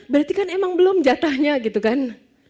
berarti kan emang belum jatahnya gitu kan